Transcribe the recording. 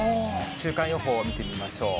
週間予報を見てみましょう。